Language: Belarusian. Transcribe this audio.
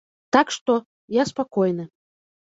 Так што, я спакойны.